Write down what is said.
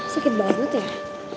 sakit banget ya